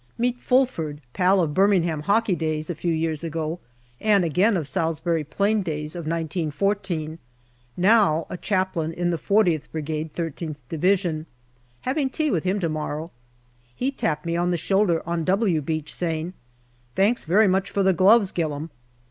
Meet Fulford, pal of Birmingham hockey days, a few years ago, and again of Salisbury Plain days of 1914, now a chaplain in the 40th Brigade, i3th Division. Having tea with him to morrow. He tapped me on the shoulder on " W" Beach, saying, " Thanks very much for the gloves, Gillam."